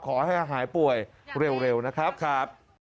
ขอให้หายป่วยเร็วนะครับ